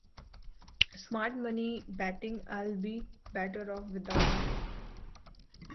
Smart money betting I'll be better off without you.